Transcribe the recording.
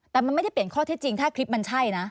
แต่มันไม่ได้เปลี่ยนข้อเท็จจริงถ้าคลิปมันใช่นะ